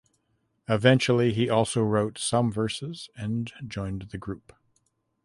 Eventually he also wrote some verses and joined the group.